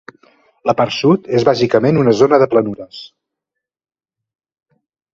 La part sud és bàsicament una zona de planures.